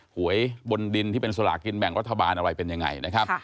หวยบนดินที่เป็นสลากินแบ่งรัฐบาลอะไรเป็นยังไงนะครับ